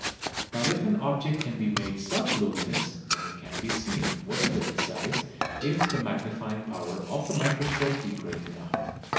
But if an object can be made self luminous, then it can be seen, whatever its size, if the magnifying power of the microscope be great enough.